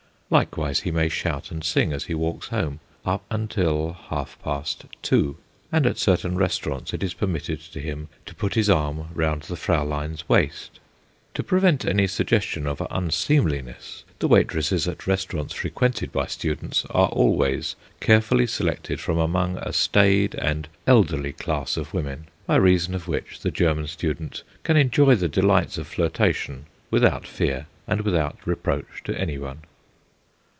Likewise, he may shout and sing as he walks home, up till half past two; and at certain restaurants it is permitted to him to put his arm round the Fraulein's waist. To prevent any suggestion of unseemliness, the waitresses at restaurants frequented by students are always carefully selected from among a staid and elderly classy of women, by reason of which the German student can enjoy the delights of flirtation without fear and without reproach to anyone.